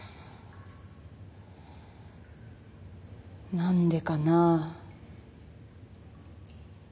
何でかなぁ。